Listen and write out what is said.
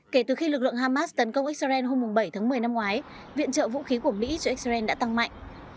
kể từ khi lực lượng hamas tấn công israel hôm bảy tháng một mươi năm ngoái viện trợ vũ khí của mỹ cho israel đã tăng mạnh